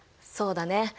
そうだね。